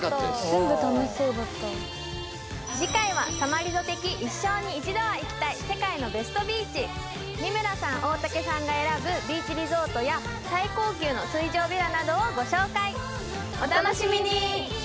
全部楽しそうだった次回は「さまリゾ」的一生に一度は行きたい世界のベストビーチ三村さん大竹さんが選ぶビーチリゾートや最高級の水上ヴィラなどをご紹介お楽しみに！